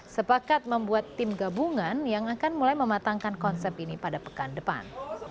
sepakat membuat tim gabungan yang akan mulai mematangkan konsep ini pada pekan depan